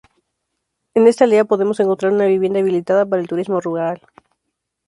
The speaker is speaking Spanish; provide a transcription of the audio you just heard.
En esta aldea podemos encontrar una vivienda habilitada para el turismo rural.